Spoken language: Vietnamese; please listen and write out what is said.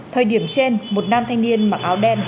thời điểm trên một nam thanh niên mặc áo đen